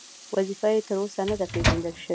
وظیفه یې تر اوسه نه ده پېژندل شوې.